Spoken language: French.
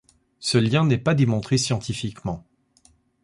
Ce lien n'est pas démontré scientifiquement.